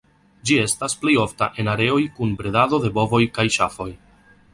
Ĝi estas plej ofta en areoj kun bredado de bovoj kaj ŝafoj.